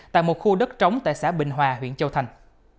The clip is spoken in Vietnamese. tại một khu đất trống tại xã bình hòa huyện châu thành